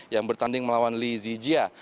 yang bertanding melawan lee zijia